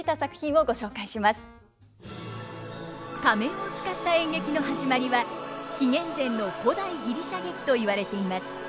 仮面を使った演劇のはじまりは紀元前の古代ギリシャ劇と言われています。